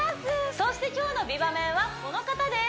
そして今日の美バメンはこの方です